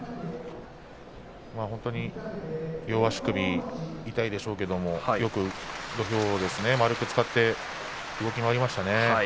両足首痛いでしょうけれどもよく土俵を円く使って動き回りましたね。